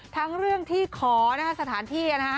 ทั้งเรื่องที่ขอสถานที่